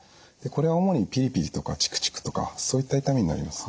これは主にピリピリとかチクチクとかそういった痛みになりますね。